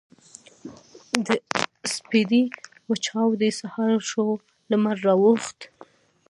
د سپـېدې وچـاودې سـهار شـو لمـر راوخـت.